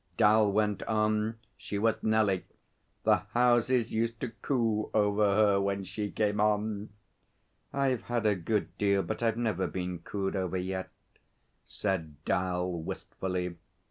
Dal went on. 'She was Nellie. The houses used to coo over her when she came on.' 'I've had a good deal, but I've never been cooed over yet,' said 'Dal wistfully.